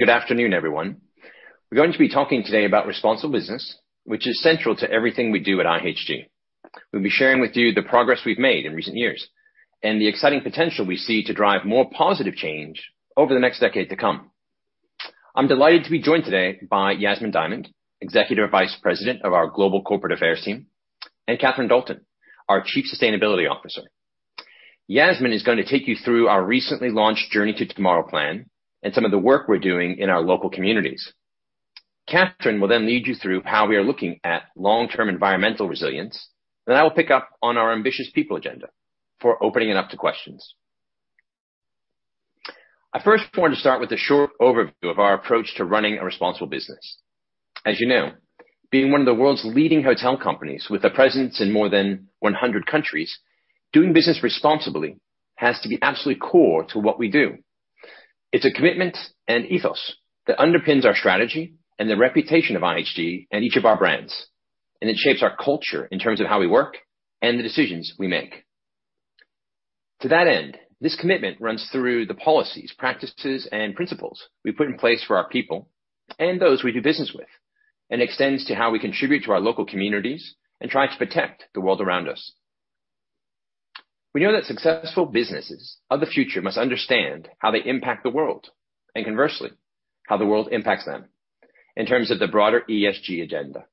Good afternoon, everyone. We're going to be talking today about responsible business, which is central to everything we do at IHG. We'll be sharing with you the progress we've made in recent years and the exciting potential we see to drive more positive change over the next decade to come. I'm delighted to be joined today by Yasmin Diamond, Executive Vice President of our Global Corporate Affairs team, and Catherine Dolton, our Chief Sustainability Officer. Yasmin is going to take you through our recently launched Journey to Tomorrow plan and some of the work we're doing in our local communities. Catherine will then lead you through how we are looking at long-term environmental resilience, then I'll pick up on our ambitious people agenda before opening it up to questions. I first want to start with a short overview of our approach to running a responsible business. As you know, being one of the world's leading hotel companies with a presence in more than 100 countries, doing business responsibly has to be absolutely core to what we do. It's a commitment and ethos that underpins our strategy and the reputation of IHG and each of our brands, and it shapes our culture in terms of how we work and the decisions we make. To that end, this commitment runs through the policies, practices, and principles we put in place for our people and those we do business with, and extends to how we contribute to our local communities and try to protect the world around us. We know that successful businesses of the future must understand how they impact the world and conversely, how the world impacts them in terms of the broader ESG agenda.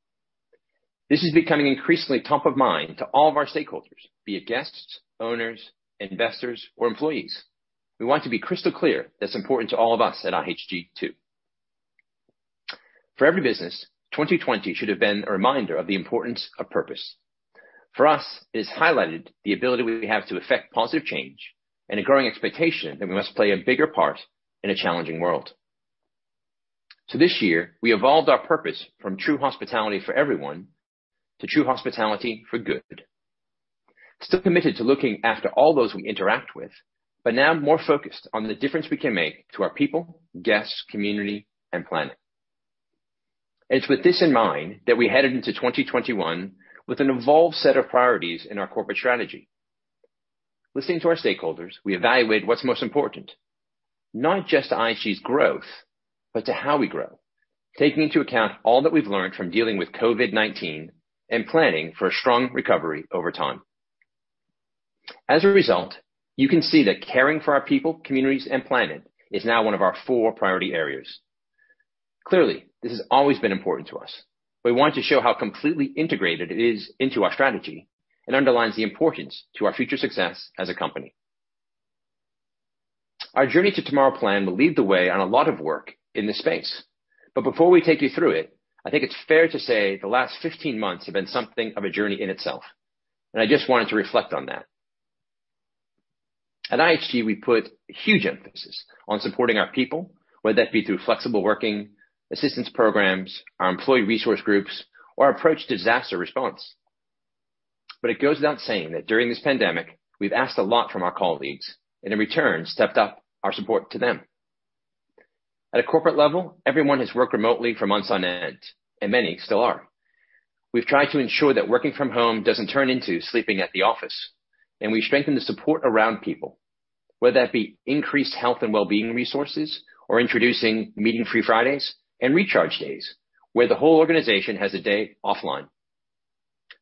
This is becoming increasingly top of mind to all of our stakeholders, be it guests, owners, investors, or employees. We want to be crystal clear that's important to all of us at IHG, too. For every business, 2020 should have been a reminder of the importance of purpose. For us, this highlighted the ability we have to effect positive change and a growing expectation that we must play a bigger part in a challenging world. This year, we evolved our purpose from true hospitality for everyone to true hospitality for good, still committed to looking after all those we interact with, but now more focused on the difference we can make to our people, guests, community, and planet. It's with this in mind that we headed into 2021 with an evolved set of priorities in our corporate strategy. Listening to our stakeholders, we evaluate what's most important, not just to IHG's growth, but to how we grow, taking into account all that we've learned from dealing with COVID-19 and planning for a strong recovery over time. As a result, you can see that caring for our people, communities, and planet is now one of our four priority areas. Clearly, this has always been important to us. We want to show how completely integrated it is into our strategy and underlines the importance to our future success as a company. Our Journey to Tomorrow plan will lead the way on a lot of work in this space. Before we take you through it, I think it's fair to say the last 15 months have been something of a journey in itself, and I just wanted to reflect on that. At IHG, we put huge emphasis on supporting our people, whether that be through flexible working, assistance programs, our employee resource groups, or our approach to disaster response. It goes without saying that during this pandemic, we've asked a lot from our colleagues and in return, stepped up our support to them. At a corporate level, everyone has worked remotely for months on end, and many still are. We've tried to ensure that working from home doesn't turn into sleeping at the office, and we've strengthened the support around people, whether that be increased health and wellbeing resources or introducing meeting-free Fridays and recharge days where the whole organization has a day offline.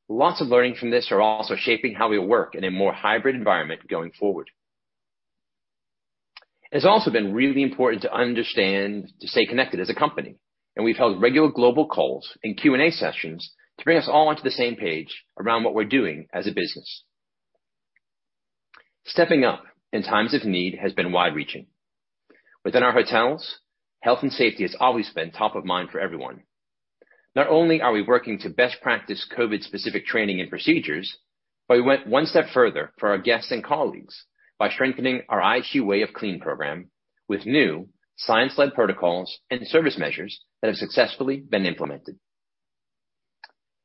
Lots of learning from this are also shaping how we work in a more hybrid environment going forward. It's also been really important to understand to stay connected as a company, and we've held regular global calls and Q&A sessions to bring us all onto the same page around what we're doing as a business. Stepping up in times of need has been wide-reaching. Within our hotels, health and safety has always been top of mind for everyone. Not only are we working to best practice COVID-specific training and procedures, but we went one step further for our guests and colleagues by strengthening our IHG Way of Clean program with new science-led protocols and service measures that have successfully been implemented.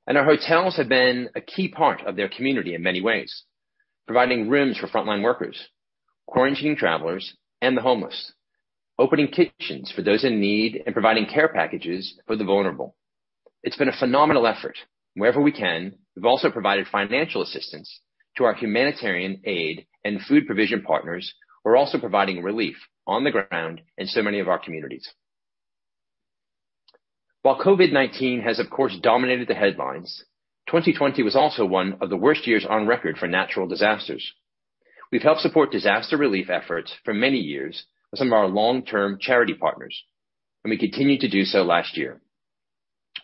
Our hotels have been a key part of their community in many ways, providing rooms for frontline workers, quarantining travelers, and the homeless, opening kitchens for those in need, and providing care packages for the vulnerable. It's been a phenomenal effort. Wherever we can, we've also provided financial assistance to our humanitarian aid and food provision partners who are also providing relief on the ground in so many of our communities. While COVID-19 has of course dominated the headlines, 2020 was also one of the worst years on record for natural disasters. We've helped support disaster relief efforts for many years with some of our long-term charity partners, and we continued to do so last year,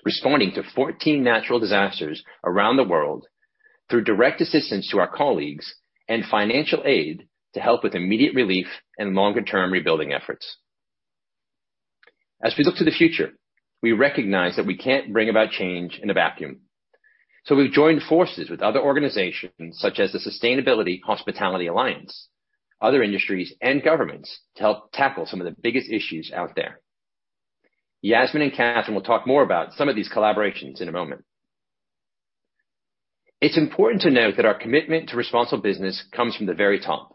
responding to 14 natural disasters around the world through direct assistance to our colleagues and financial aid to help with immediate relief and longer-term rebuilding efforts. As we look to the future, we recognize that we can't bring about change in a vacuum, so we've joined forces with other organizations such as the Sustainable Hospitality Alliance, other industries, and governments to help tackle some of the biggest issues out there. Yasmin and Catherine will talk more about some of these collaborations in a moment. It's important to note that our commitment to responsible business comes from the very top.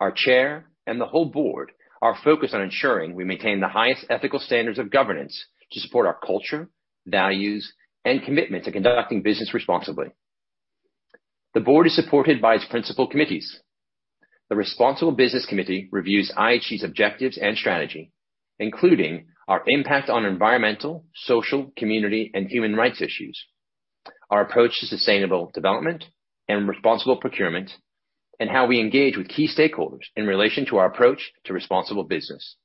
Our Chair and the whole Board are focused on ensuring we maintain the highest ethical standards of governance to support our culture, values, and commitment to conducting business responsibly. The Board is supported by its principal committees. The Responsible Business Committee reviews IHG's objectives and strategy, including our impact on environmental, social, community, and human rights issues, our approach to sustainable development and responsible procurement, and how we engage with key stakeholders in relation to our approach to responsible business.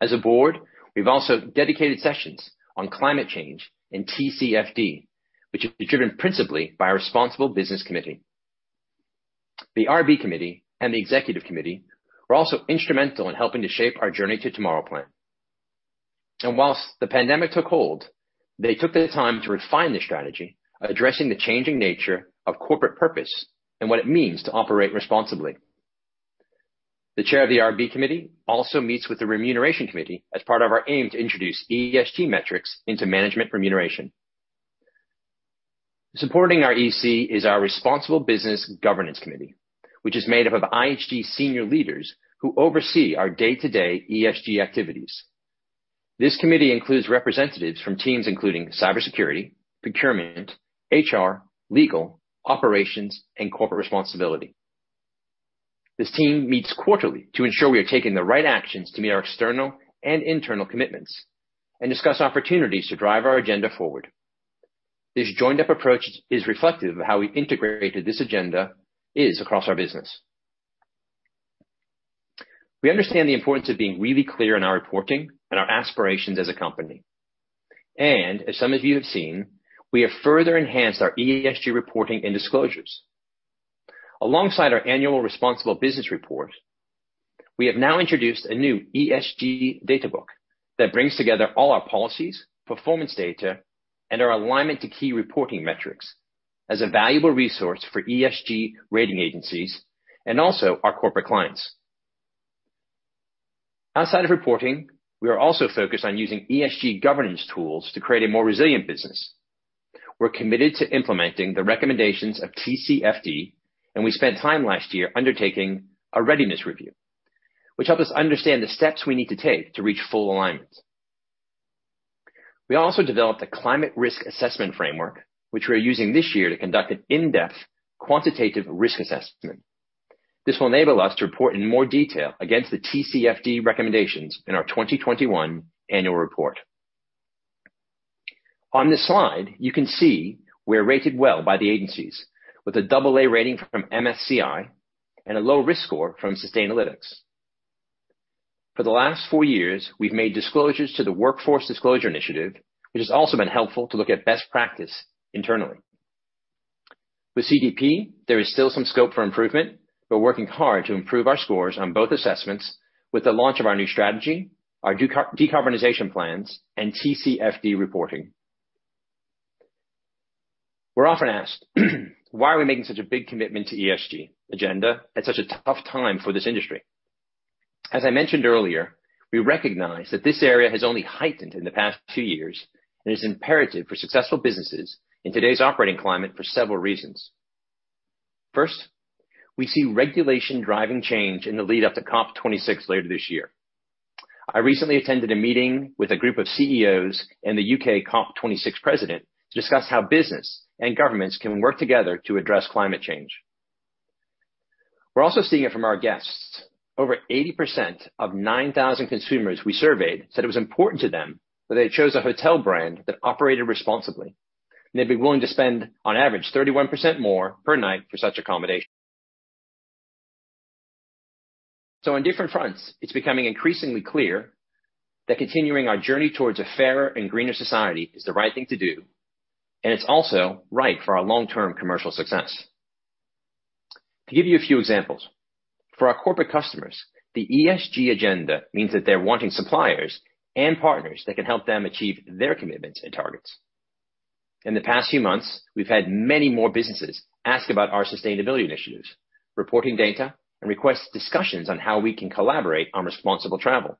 As a Board, we've also dedicated sessions on climate change and TCFD, which is driven principally by our Responsible Business Committee. The RB Committee and the Executive Committee were also instrumental in helping to shape our Journey to Tomorrow plan. Whilst the pandemic took hold, they took the time to refine the strategy, addressing the changing nature of corporate purpose and what it means to operate responsibly. The chair of the RB Committee also meets with the Remuneration Committee as part of our aim to introduce ESG metrics into management remuneration. Supporting our EC is our Responsible Business Governance Committee, which is made up of IHG senior leaders who oversee our day-to-day ESG activities. This committee includes representatives from teams including cybersecurity, procurement, HR, legal, operations, and corporate responsibility. This team meets quarterly to ensure we are taking the right actions to meet our external and internal commitments and discuss opportunities to drive our agenda forward. This joined-up approach is reflective of how integrated this agenda is across our business. We understand the importance of being really clear in our reporting and our aspirations as a company. As some of you have seen, we have further enhanced our ESG reporting and disclosures. Alongside our annual responsible business report, we have now introduced a new ESG data book that brings together all our policies, performance data, and our alignment to key reporting metrics as a valuable resource for ESG rating agencies and also our corporate clients. Outside of reporting, we are also focused on using ESG governance tools to create a more resilient business. We're committed to implementing the recommendations of TCFD, and we spent time last year undertaking a readiness review, which helped us understand the steps we need to take to reach full alignment. We also developed a climate risk assessment framework, which we are using this year to conduct an in-depth quantitative risk assessment. This will enable us to report in more detail against the TCFD recommendations in our 2021 annual report. On this slide, you can see we're rated well by the agencies with a AA rating from MSCI and a low-risk score from Sustainalytics. For the last four years, we've made disclosures to the Workforce Disclosure Initiative, which has also been helpful to look at best practice internally. With CDP, there is still some scope for improvement. We're working hard to improve our scores on both assessments with the launch of our new strategy, our decarbonization plans, and TCFD reporting. We're often asked, "Why are we making such a big commitment to ESG agenda at such a tough time for this industry?" As I mentioned earlier, we recognize that this area has only heightened in the past two years and is imperative for successful businesses in today's operating climate for several reasons. First, we see regulation driving change in the lead-up to COP 26 later this year. I recently attended a meeting with a group of CEOs and the U.K. COP 26 president to discuss how business and governments can work together to address climate change. We're also seeing it from our guests. Over 80% of 9,000 consumers we surveyed said it was important to them that they chose a hotel brand that operated responsibly, and they'd be willing to spend, on average, 31% more per night for such accommodation. On different fronts, it's becoming increasingly clear that continuing our journey towards a fairer and greener society is the right thing to do, and it's also right for our long-term commercial success. To give you a few examples, for our corporate customers, the ESG agenda means that they're wanting suppliers and partners that can help them achieve their commitments and targets. In the past few months, we've had many more businesses ask about our sustainability initiatives, reporting data, and request discussions on how we can collaborate on responsible travel.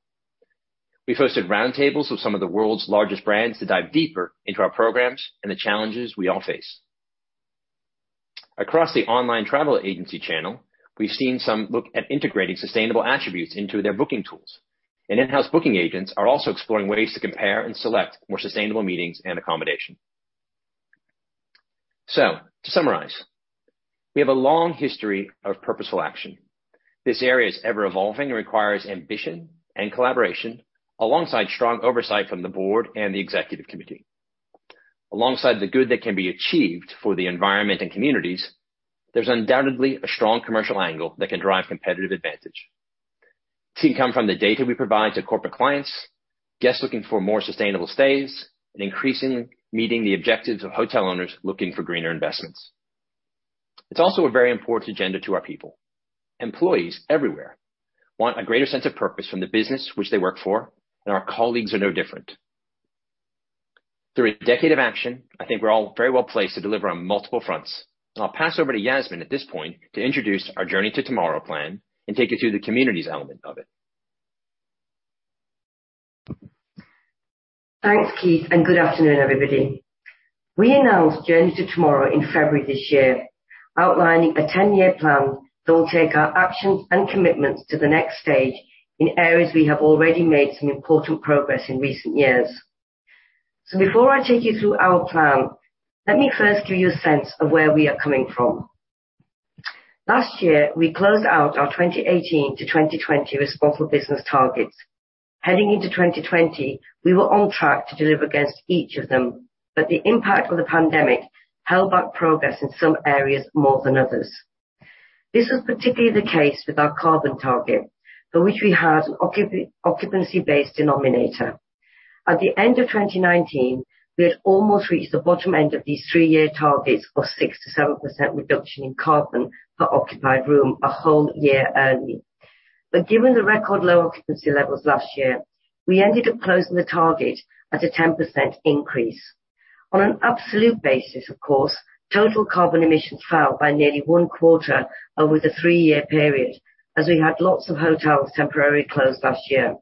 We've hosted roundtables with some of the world's largest brands to dive deeper into our programs and the challenges we all face. Across the online travel agency channel, we've seen some look at integrating sustainable attributes into their booking tools, and in-house booking agents are also exploring ways to compare and select more sustainable meetings and accommodation. To summarize, we have a long history of purposeful action. This area is ever-evolving and requires ambition and collaboration alongside strong oversight from the board and the executive committee. Alongside the good that can be achieved for the environment and communities, there's undoubtedly a strong commercial angle that can drive competitive advantage. This can come from the data we provide to corporate clients, guests looking for more sustainable stays, and increasingly meeting the objectives of hotel owners looking for greener investments. It's also a very important agenda to our people. Employees everywhere want a greater sense of purpose from the business which they work for, and our colleagues are no different. Through a decade of action, I think we're all very well placed to deliver on multiple fronts, and I'll pass over to Yasmin at this point to introduce our Journey to Tomorrow plan and take you through the communities element of it. Thanks, Keith. Good afternoon, everybody. We announced Journey to Tomorrow in February this year, outlining a 10-year plan that will take our actions and commitments to the next stage in areas we have already made some important progress in recent years. Before I take you through our plan, let me first give you a sense of where we are coming from. Last year, we closed out our 2018-2020 responsible business targets. Heading into 2020, we were on track to deliver against each of them, the impact of the pandemic held back progress in some areas more than others. This was particularly the case with our carbon target, for which we had an occupancy-based denominator. At the end of 2019, we had almost reached the bottom end of these three-year targets for 6%-7% reduction in carbon per occupied room a whole year early. Given the record low occupancy levels last year, we ended up closing the target at a 10% increase. On an absolute basis, of course, total carbon emissions fell by nearly one quarter over the three-year period, as we had lots of hotels temporarily closed last year.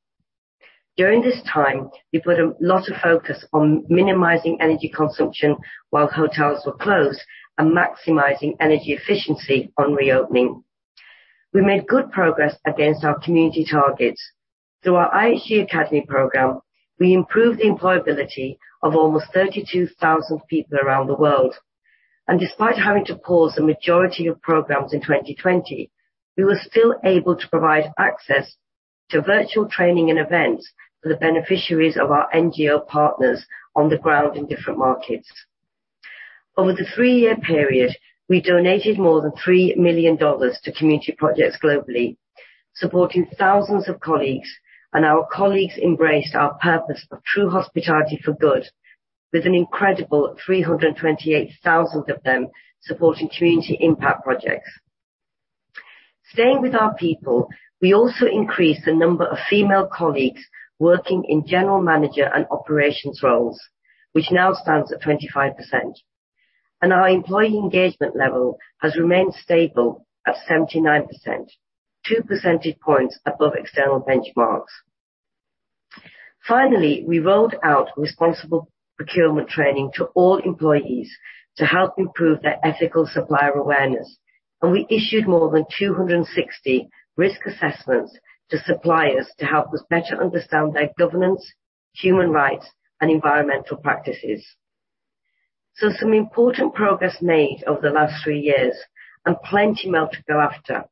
During this time, we put a lot of focus on minimizing energy consumption while hotels were closed and maximizing energy efficiency on reopening. We made good progress against our community targets. Through our IHG Academy program, we improved the employability of almost 32,000 people around the world. Despite having to pause the majority of programs in 2020, we were still able to provide access to virtual training and events for the beneficiaries of our NGO partners on the ground in different markets. Over the three-year period, we donated more than GBP 3 million to community projects globally, supporting thousands of colleagues. Our colleagues embraced our purpose of true hospitality for good with an incredible 328,000 of them supporting community impact projects. Staying with our people, we also increased the number of female colleagues working in general manager and operations roles, which now stands at 25%. Our employee engagement level has remained stable at 79%, 2 percentage points above external benchmarks. Finally, we rolled out responsible procurement training to all employees to help improve their ethical supplier awareness, and we issued more than 260 risk assessments to suppliers to help us better understand their governance, human rights, and environmental practices. Some important progress made over the last three years and plenty more to go after.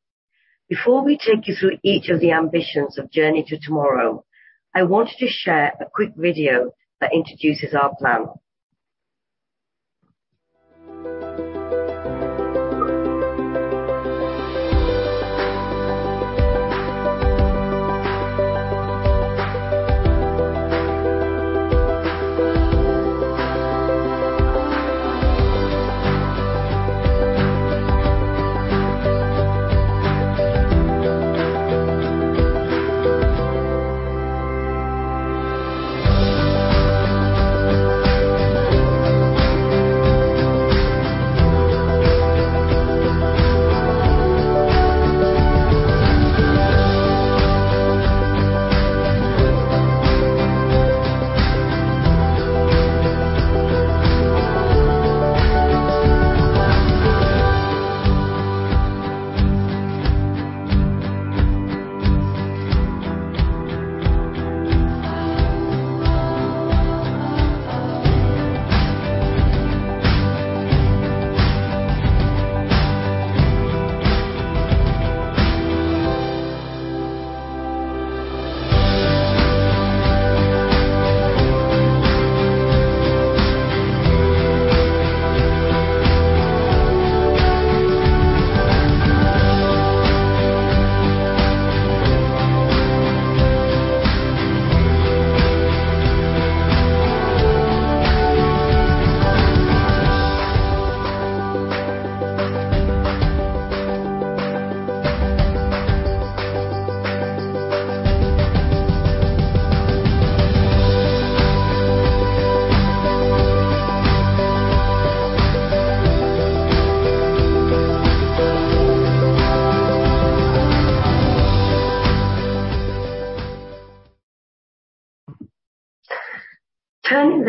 Before we take you through each of the ambitions of Journey to Tomorrow, I wanted to share a quick video that introduces our plan.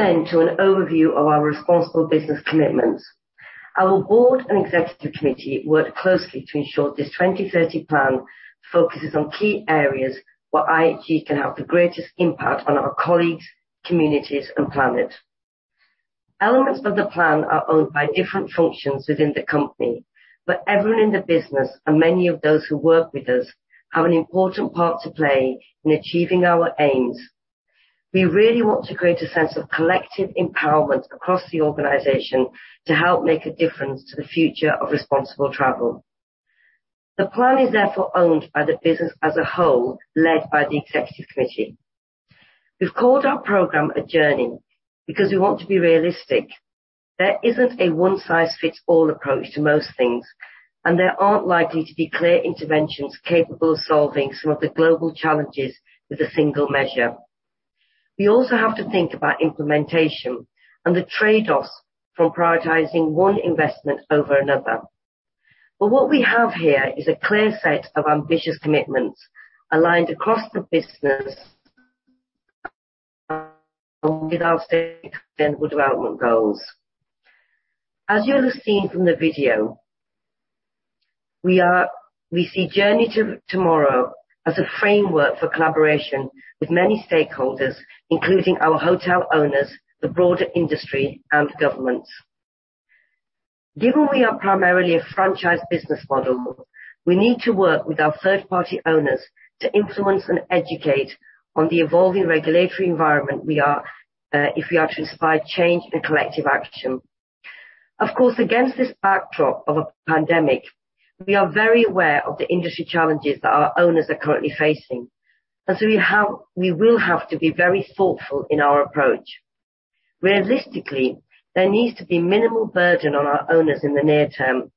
Turning to an overview of our responsible business commitments. Our board and Executive Committee worked closely to ensure this 2030 plan focuses on key areas where IHG can have the greatest impact on our colleagues, communities, and planet. Elements of the plan are owned by different functions within the company, but everyone in the business and many of those who work with us have an important part to play in achieving our aims. We really want to create a sense of collective empowerment across the organization to help make a difference to the future of responsible travel. The plan is therefore owned by the business as a whole, led by the Executive Committee. We've called our program a journey because we want to be realistic. There isn't a one-size-fits-all approach to most things, and there aren't likely to be clear interventions capable of solving some of the global challenges with a single measure. We also have to think about implementation and the trade-offs for prioritizing one investment over another. What we have here is a clear set of ambitious commitments aligned across the business with our Sustainable Development Goals. As you'll have seen from the video, we see Journey to Tomorrow as a framework for collaboration with many stakeholders, including our hotel owners, the broader industry, and governments. Given we are primarily a franchise business model, we need to work with our third-party owners to influence and educate on the evolving regulatory environment if we are to inspire change and collective action. Of course, against this backdrop of a pandemic, we are very aware of the industry challenges that our owners are currently facing. We will have to be very thoughtful in our approach. Realistically, there needs to be minimal burden on our owners in the near term.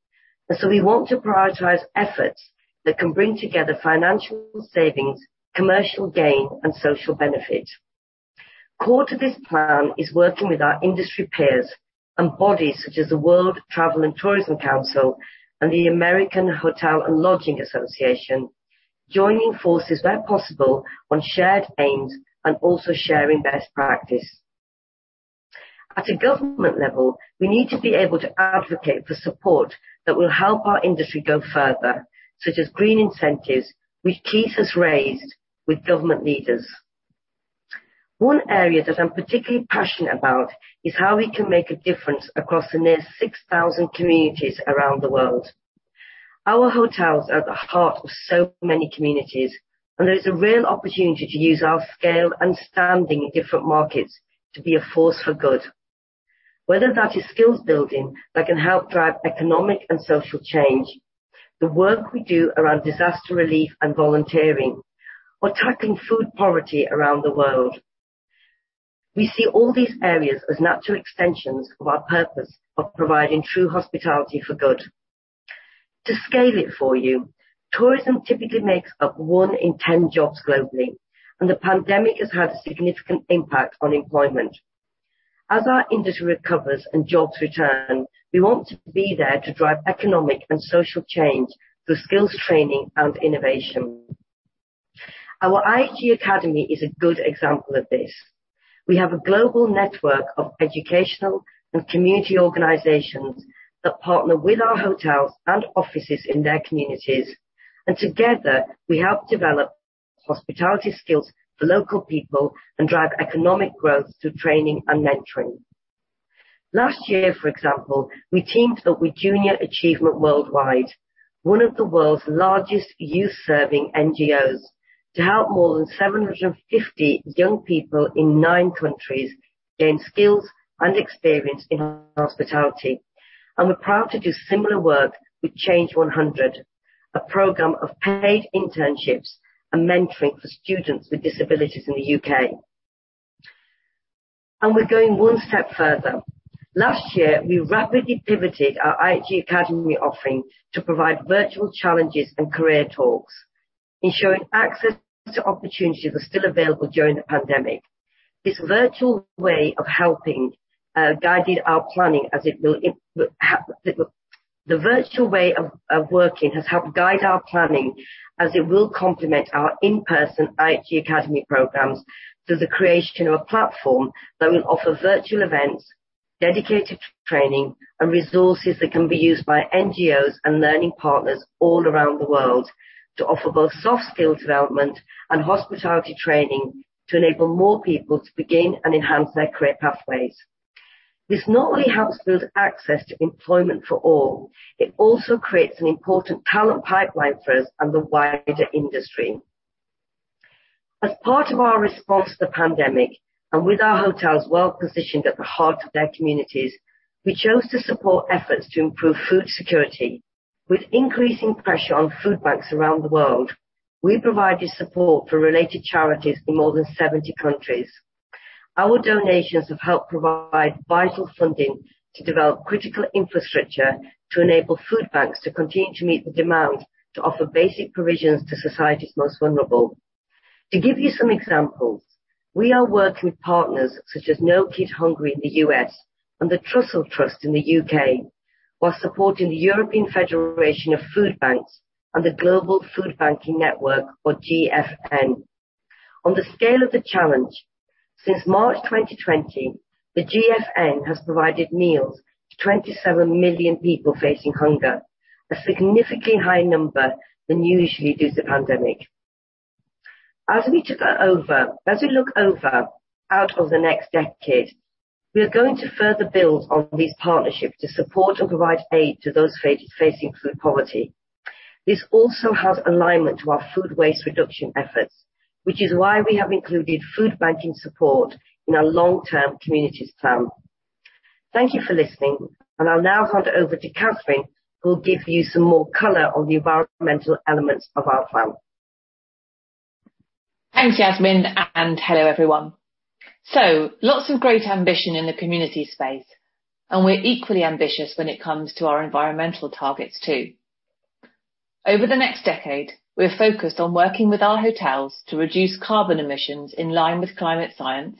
We want to prioritize efforts that can bring together financial savings, commercial gain, and social benefit. Core to this plan is working with our industry peers and bodies such as the World Travel & Tourism Council and the American Hotel & Lodging Association, joining forces where possible on shared aims and also sharing best practice. At a government level, we need to be able to advocate for support that will help our industry go further, such as green incentives, which Keith has raised with government leaders. One area that I'm particularly passionate about is how we can make a difference across the near 6,000 communities around the world. Our hotels are at the heart of so many communities, and there is a real opportunity to use our scale and standing in different markets to be a force for good. Whether that is skills building that can help drive economic and social change, the work we do around disaster relief and volunteering, or tackling food poverty around the world. We see all these areas as natural extensions of our purpose of providing true hospitality for good. To scale it for you, tourism typically makes up one in 10 jobs globally, and the pandemic has had a significant impact on employment. As our industry recovers and jobs return, we want to be there to drive economic and social change through skills training and innovation. Our IHG Academy is a good example of this. We have a global network of educational and community organizations that partner with our hotels and offices in their communities. Together, we help develop hospitality skills for local people and drive economic growth through training and mentoring. Last year, for example, we teamed up with JA Worldwide, one of the world's largest youth-serving NGOs, to help more than 750 young people in nine countries gain skills and experience in hospitality. We're proud to do similar work with Change 100, a program of paid internships and mentoring for students with disabilities in the U.K. We're going one step further. Last year, we rapidly pivoted our IHG Academy offering to provide virtual challenges and career talks, ensuring access to opportunities are still available during the pandemic. The virtual way of working has helped guide our planning as it will complement our in-person IHG Academy programs through the creation of a platform that will offer virtual events, dedicated training, and resources that can be used by NGOs and learning partners all around the world to offer both soft skill development and hospitality training to enable more people to begin and enhance their career pathways. This not only helps build access to employment for all, it also creates an important talent pipeline for us and the wider industry. As part of our response to the pandemic, and with our hotels well-positioned at the heart of their communities, we chose to support efforts to improve food security. With increasing pressure on food banks around the world, we provided support for related charities in more than 70 countries. Our donations have helped provide vital funding to develop critical infrastructure to enable food banks to continue to meet the demand to offer basic provisions to society's most vulnerable. To give you some examples, we are working with partners such as No Kid Hungry in the U.S. and The Trussell Trust in the U.K., while supporting the European Food Banks Federation and The Global Food Banking Network or GFN. On the scale of the challenge, since March 2020, the GFN has provided meals to 27 million people facing hunger, a significantly high number than usually due to the pandemic. As we look over out of the next decade, we are going to further build on these partnerships to support and provide aid to those facing food poverty. This also has alignment to our food waste reduction efforts, which is why we have included food banking support in our long-term communities plan. Thank you for listening, and I'll now hand over to Catherine, who will give you some more color on the environmental elements of our plan. Thanks, Yasmin. Hello, everyone. Lots of great ambition in the community space, and we're equally ambitious when it comes to our environmental targets, too. Over the next decade, we're focused on working with our hotels to reduce carbon emissions in line with climate science,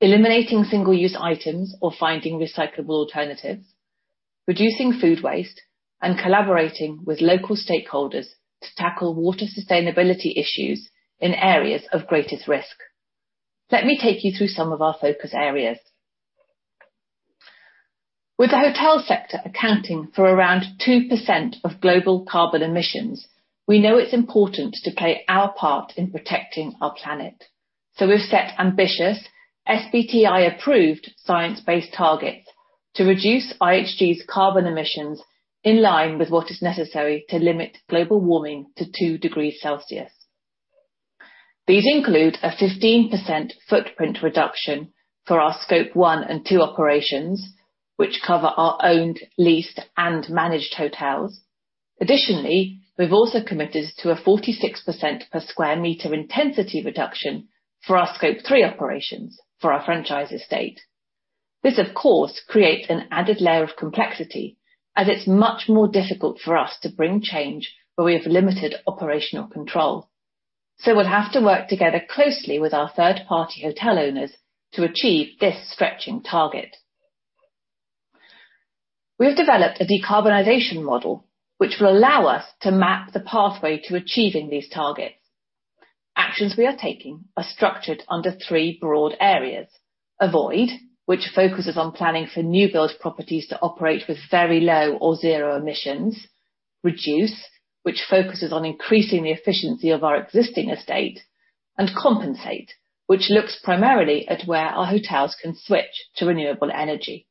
eliminating single-use items or finding recyclable alternatives, reducing food waste, and collaborating with local stakeholders to tackle water sustainability issues in areas of greatest risk. Let me take you through some of our focus areas. With the hotel sector accounting for around 2% of global carbon emissions, we know it's important to play our part in protecting our planet. We've set ambitious, SBTi-approved science-based targets to reduce IHG's carbon emissions in line with what is necessary to limit global warming to two degrees Celsius. These include a 15% footprint reduction for our Scope 1 and 2 operations, which cover our owned, leased, and managed hotels. We've also committed to a 46% per square meter intensity reduction for our Scope 3 operations for our franchise estate. This, of course, creates an added layer of complexity as it's much more difficult for us to bring change where we have limited operational control. We'll have to work together closely with our third-party hotel owners to achieve this stretching target. We have developed a decarbonization model which will allow us to map the pathway to achieving these targets. Actions we are taking are structured under three broad areas. Avoid, which focuses on planning for new-build properties to operate with very low or zero emissions. Reduce, which focuses on increasing the efficiency of our existing estate. Compensate, which looks primarily at where our hotels can switch to renewable energy.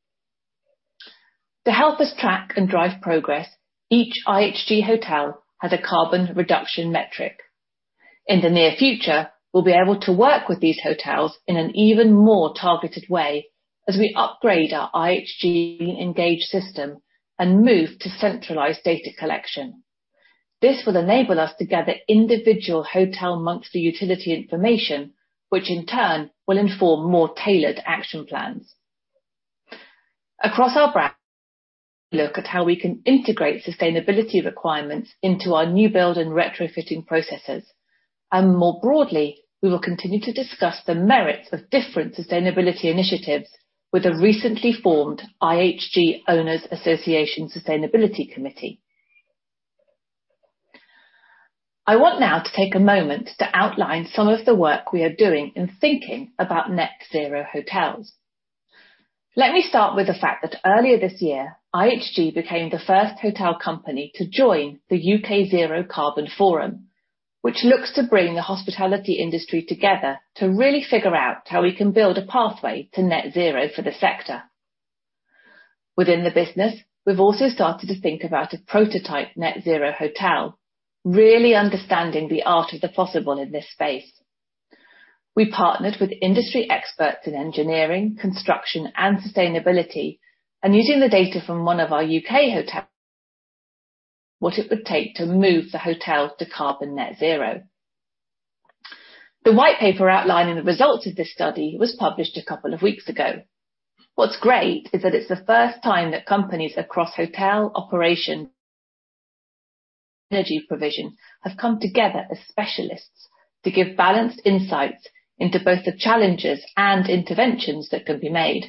To help us track and drive progress, each IHG Hotel has a carbon reduction metric. In the near future, we'll be able to work with these hotels in an even more targeted way as we upgrade our IHG Green Engage system and move to centralized data collection. This will enable us to gather individual hotel monthly utility information, which in turn will inform more tailored action plans. Across our brand, look at how we can integrate sustainability requirements into our new build and retrofitting processes. More broadly, we will continue to discuss the merits of different sustainability initiatives with the recently formed IHG Owners Association Sustainability Committee. I want now to take a moment to outline some of the work we are doing in thinking about net zero hotels. Let me start with the fact that earlier this year, IHG became the first hotel company to join the U.K. Zero Carbon Forum, which looks to bring the hospitality industry together to really figure out how we can build a pathway to net zero for the sector. Within the business, we've also started to think about a prototype net zero hotel, really understanding the art of the possible in this space. We partnered with industry experts in engineering, construction, and sustainability, and using the data from one of our U.K. hotels, what it would take to move the hotel to carbon net zero. The white paper outlining the results of this study was published a couple of weeks ago. What's great is that it's the first time that companies across hotel operation energy provision have come together as specialists to give balanced insights into both the challenges and interventions that can be made.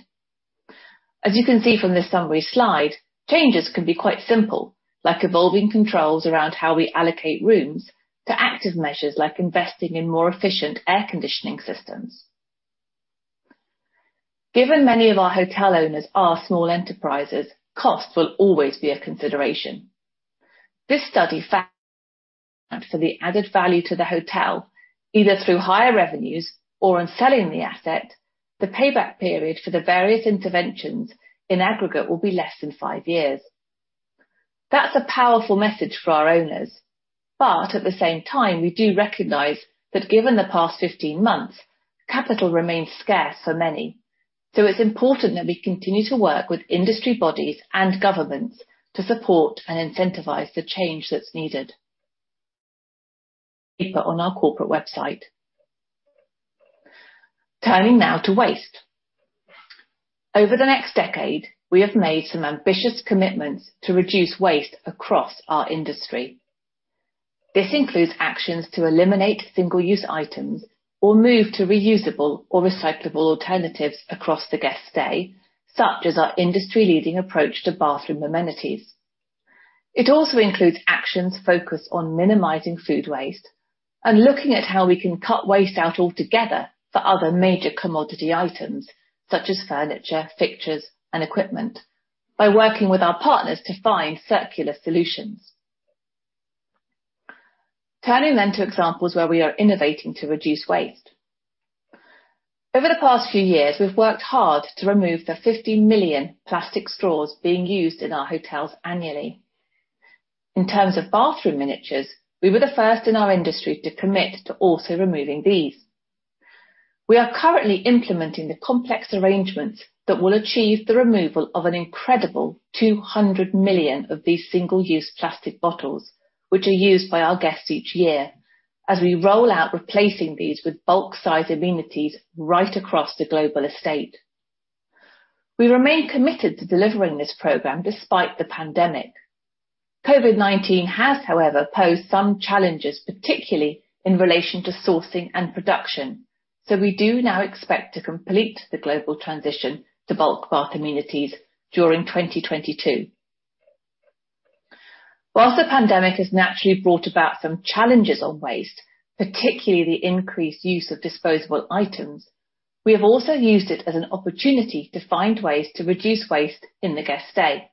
As you can see from this summary slide, changes can be quite simple, like evolving controls around how we allocate rooms, to active measures like investing in more efficient air conditioning systems. Given many of our hotel owners are small enterprises, cost will always be a consideration. This study found for the added value to the hotel, either through higher revenues or on selling the asset, the payback period for the various interventions in aggregate will be less than five years. At the same time, we do recognize that given the past 15 months, capital remains scarce for many. It's important that we continue to work with industry bodies and governments to support and incentivize the change that's needed. Paper on our corporate website. Turning now to waste. Over the next decade, we have made some ambitious commitments to reduce waste across our industry. This includes actions to eliminate single-use items or move to reusable or recyclable alternatives across the guest stay, such as our industry-leading approach to bathroom amenities. It also includes actions focused on minimizing food waste and looking at how we can cut waste out altogether for other major commodity items, such as furniture, fixtures, and equipment, by working with our partners to find circular solutions. Turning to examples where we are innovating to reduce waste. Over the past few years, we've worked hard to remove the 50 million plastic straws being used in our hotels annually. In terms of bathroom miniatures, we were the first in our industry to commit to also removing these. We are currently implementing the complex arrangements that will achieve the removal of an incredible 200 million of these single-use plastic bottles, which are used by our guests each year, as we roll out replacing these with bulk size amenities right across the global estate. We remain committed to delivering this program despite the pandemic. COVID-19 has, however, posed some challenges, particularly in relation to sourcing and production, we do now expect to complete the global transition to bulk bar amenities during 2022. While the pandemic has naturally brought about some challenges on waste, particularly increased use of disposable items, we have also used it as an opportunity to find ways to reduce waste in the guest stay.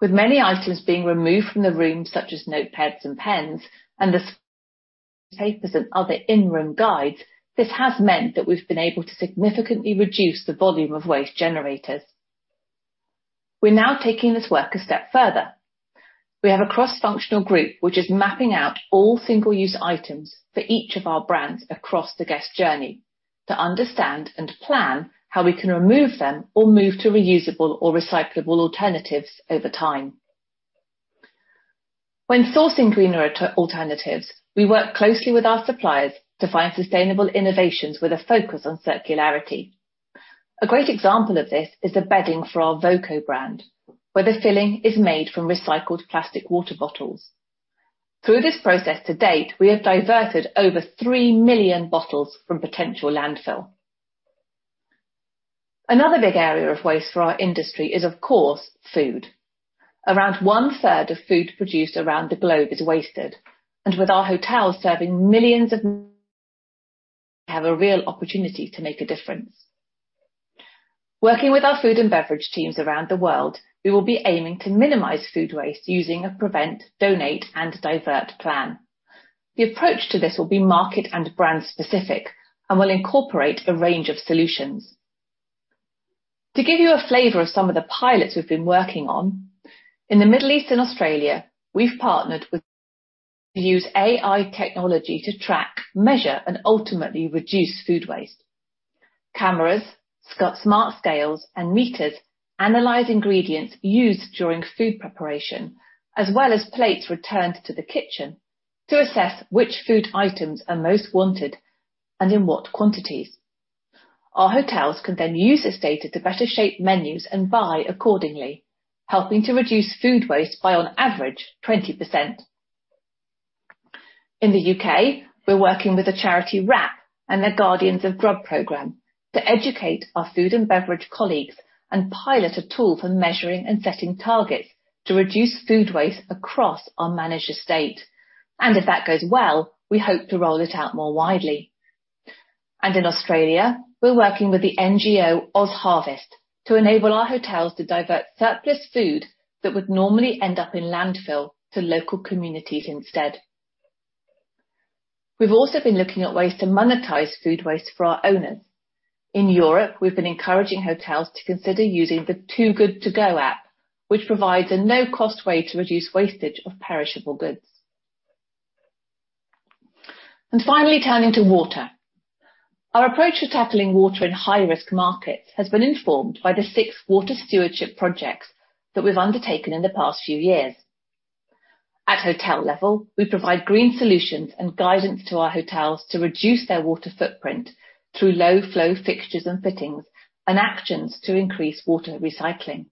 With many items being removed from the room such as notepads and pens, and the papers and other in-room guides, this has meant that we've been able to significantly reduce the volume of waste generated. We're now taking this work a step further. We have a cross-functional group which is mapping out all single-use items for each of our brands across the guest journey to understand and plan how we can remove them or move to reusable or recyclable alternatives over time. When sourcing greener alternatives, we work closely with our suppliers to find sustainable innovations with a focus on circularity. A great example of this is the bedding for our voco brand, where the filling is made from recycled plastic water bottles. Through this process to date, we have diverted over 3 million bottles from potential landfill. Another big area of waste for our industry is, of course, food. Around one-third of food produced around the globe is wasted, and with our hotels serving millions of— have a real opportunity to make a difference. Working with our food and beverage teams around the world, we will be aiming to minimize food waste using a prevent, donate, and divert plan. The approach to this will be market and brand-specific and will incorporate a range of solutions. To give you a flavor of some of the pilots we've been working on, in the Middle East and Australia, we've partnered with to use AI technology to track, measure, and ultimately reduce food waste. Cameras, smart scales, and meters analyze ingredients used during food preparation, as well as plates returned to the kitchen to assess which food items are most wanted and in what quantities. Our hotels can use this data to better shape menus and buy accordingly, helping to reduce food waste by on average 20%. In the U.K., we're working with the charity WRAP and their Guardians of Grub program to educate our food and beverage colleagues and pilot a tool for measuring and setting targets to reduce food waste across our managed estate. If that goes well, we hope to roll it out more widely. In Australia, we're working with the NGO OzHarvest to enable our hotels to divert surplus food that would normally end up in landfill to local communities instead. We've also been looking at ways to monetize food waste for our owners. In Europe, we've been encouraging hotels to consider using the Too Good To Go app, which provides a no-cost way to reduce wastage of perishable goods. Finally, turning to water. Our approach to tackling water in high-risk markets has been informed by the six water stewardship projects that we've undertaken in the past few years. At hotel level, we provide green solutions and guidance to our hotels to reduce their water footprint through low-flow fixtures and fittings and actions to increase water recycling.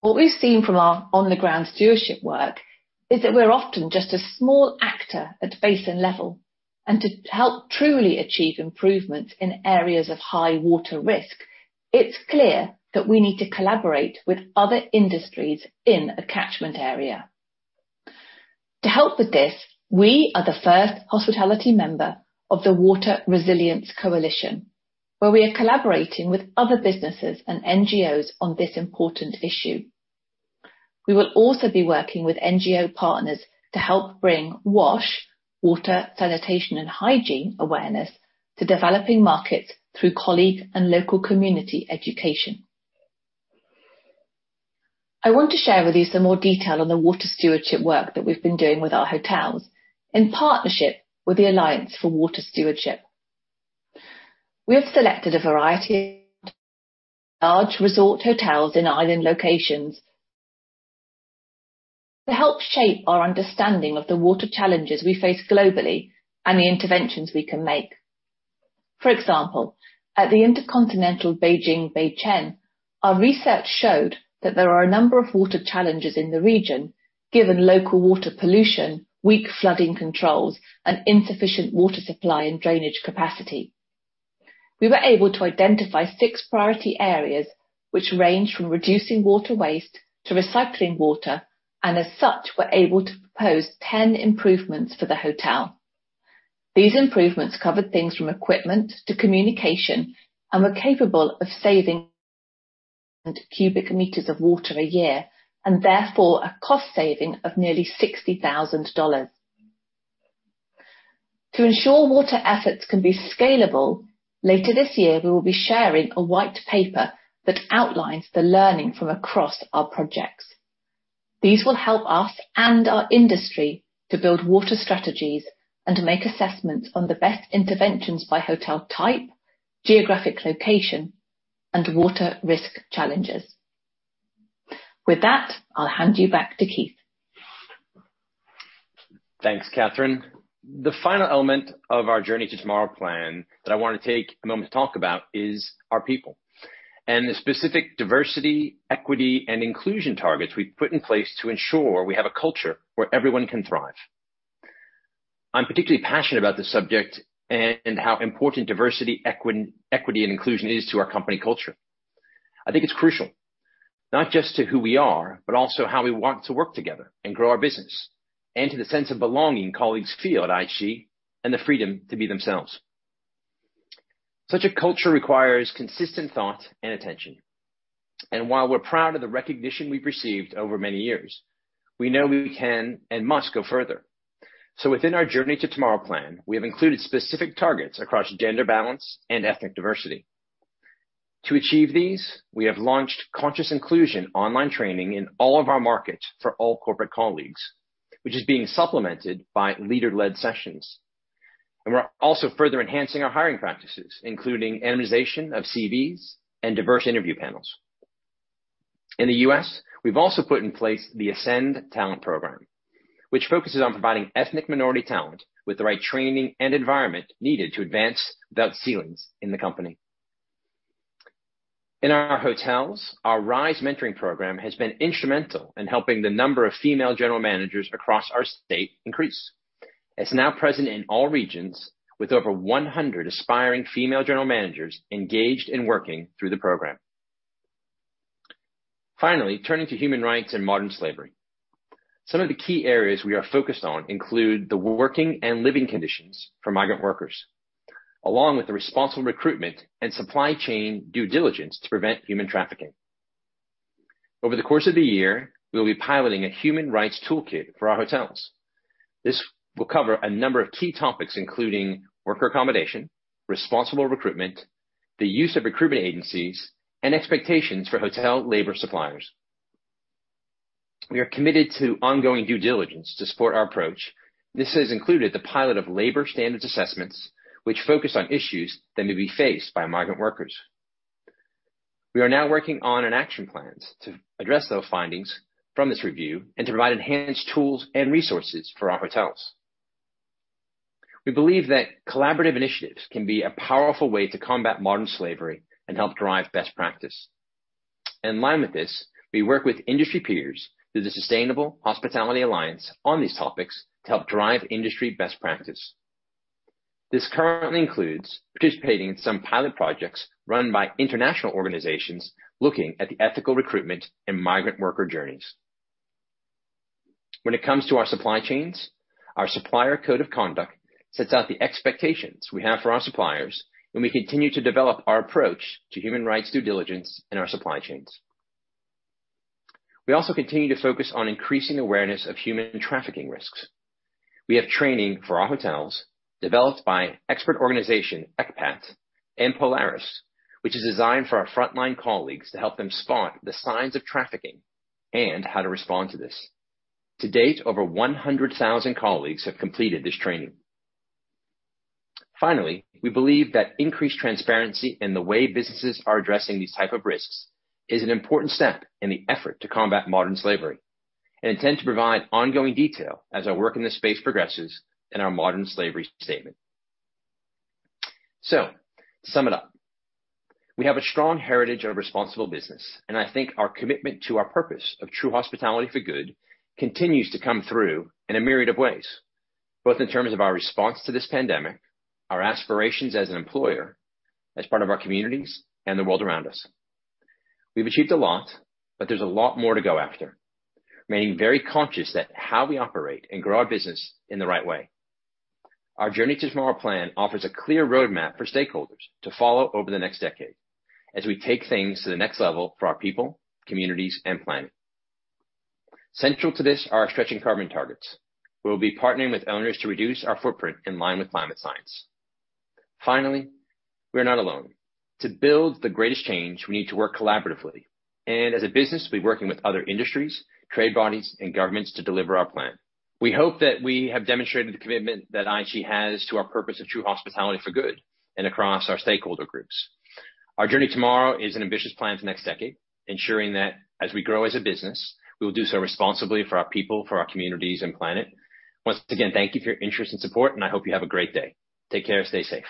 What we've seen from our on-the-ground stewardship work is that we're often just a small actor at basin level. To help truly achieve improvements in areas of high water risk, it's clear that we need to collaborate with other industries in a catchment area. To help with this, we are the first hospitality member of the Water Resilience Coalition, where we are collaborating with other businesses and NGOs on this important issue. We will also be working with NGO partners to help bring WASH, water, sanitation, and hygiene awareness to developing markets through colleague and local community education. I want to share with you some more detail on the water stewardship work that we've been doing with our hotels in partnership with the Alliance for Water Stewardship. We have selected a variety of large resort hotels in island locations to help shape our understanding of the water challenges we face globally and the interventions we can make. For example, at the InterContinental Beijing Beichen, our research showed that there are a number of water challenges in the region, given local water pollution, weak flooding controls, and insufficient water supply and drainage capacity. We were able to identify six priority areas, which range from reducing water waste to recycling water, and as such, were able to propose 10 improvements for the hotel. These improvements covered things from equipment to communication and were capable of saving cubic meters of water a year and therefore a cost saving of nearly $60,000. To ensure water efforts can be scalable, later this year, we will be sharing a white paper that outlines the learning from across our projects. These will help us and our industry to build water strategies and make assessments on the best interventions by hotel type, geographic location, and water risk challenges. With that, I'll hand you back to Keith. Thanks, Catherine. The final element of our Journey to Tomorrow plan that I want to take a moment to talk about is our people, and the specific diversity, equity, and inclusion targets we've put in place to ensure we have a culture where everyone can thrive. I'm particularly passionate about this subject and how important diversity, equity, and inclusion is to our company culture. I think it's crucial not just to who we are, but also how we want to work together and grow our business, and to the sense of belonging colleagues feel at IHG and the freedom to be themselves. Such a culture requires consistent thought and attention. While we're proud of the recognition we've received over many years, we know we can and must go further. Within our Journey to Tomorrow plan, we have included specific targets across gender balance and ethnic diversity. To achieve these, we have launched conscious inclusion online training in all of our markets for all corporate colleagues, which is being supplemented by leader-led sessions. We're also further enhancing our hiring practices, including anonymization of CVs and diverse interview panels. In the U.S., we've also put in place the Ascend Talent program, which focuses on providing ethnic minority talent with the right training and environment needed to advance without ceilings in the company. In our hotels, our Rise mentoring program has been instrumental in helping the number of female general managers across our estate increase. It's now present in all regions with over 100 aspiring female general managers engaged and working through the program. Turning to human rights and modern slavery. Some of the key areas we are focused on include the working and living conditions for migrant workers, along with the responsible recruitment and supply chain due diligence to prevent human trafficking. Over the course of the year, we'll be piloting a human rights toolkit for our hotels. This will cover a number of key topics including worker accommodation, responsible recruitment, the use of recruitment agencies, and expectations for hotel labor suppliers. We are committed to ongoing due diligence to support our approach. This has included the pilot of labor standards assessments, which focus on issues that may be faced by migrant workers. We are now working on an action plan to address those findings from this review and to provide enhanced tools and resources for our hotels. We believe that collaborative initiatives can be a powerful way to combat modern slavery and help drive best practice. In line with this, we work with industry peers through the Sustainable Hospitality Alliance on these topics to help drive industry best practice. This currently includes participating in some pilot projects run by international organizations looking at the ethical recruitment and migrant worker journeys. When it comes to our supply chains, our supplier code of conduct sets out the expectations we have for our suppliers, and we continue to develop our approach to human rights due diligence in our supply chains. We also continue to focus on increasing awareness of human trafficking risks. We have training for our hotels developed by expert organization ECPAT and Polaris, which is designed for our frontline colleagues to help them spot the signs of trafficking and how to respond to this. To date, over 100,000 colleagues have completed this training. Finally, we believe that increased transparency in the way businesses are addressing these type of risks is an important step in the effort to combat modern slavery, and intend to provide ongoing detail as our work in this space progresses in our modern slavery statement. To sum it up, we have a strong heritage of responsible business, and I think our commitment to our purpose of true hospitality for good continues to come through in a myriad of ways, both in terms of our response to this pandemic, our aspirations as an employer, as part of our communities, and the world around us. We've achieved a lot, but there's a lot more to go after, remaining very conscious that how we operate and grow our business in the right way. Our Journey to Tomorrow plan offers a clear roadmap for stakeholders to follow over the next decade as we take things to the next level for our people, communities, and planet. Central to this are our stretching carbon targets. We will be partnering with owners to reduce our footprint in line with climate science. Finally, we are not alone. To build the greatest change, we need to work collaboratively, and as a business, we're working with other industries, trade bodies, and governments to deliver our plan. We hope that we have demonstrated the commitment that IHG has to our purpose of true hospitality for good and across our stakeholder groups. Our Journey to Tomorrow is an ambitious plan for the next decade, ensuring that as we grow as a business, we will do so responsibly for our people, for our communities, and planet. Once again, thank you for your interest and support. I hope you have a great day. Take care. Stay safe.